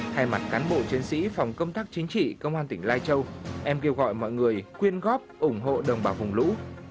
thay mặt cán bộ chiến sĩ phòng công tác chính trị công an tỉnh lai châu em kêu gọi mọi người quyên góp ủng hộ đồng bào vùng lũ